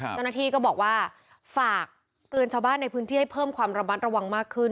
เจ้าหน้าที่ก็บอกว่าฝากเตือนชาวบ้านในพื้นที่ให้เพิ่มความระมัดระวังมากขึ้น